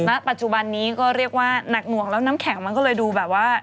ณปัจจุบันนี้ก็เรียกว่าหนักหน่วงแล้วน้ำแข็งมันก็เลยดูแบบว่า